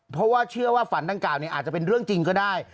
เพราะว่าเชื่อว่าฝันดังกล่าวอาจจะเป็นเรื่องจริงก็ได้